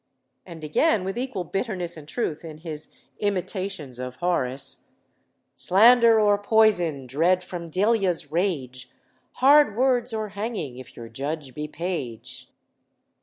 And again, with equal bitterness and truth, in his Imitations of Horace: "Slander or poison dread from Delia's rage, Hard words or hanging if your judge be Page."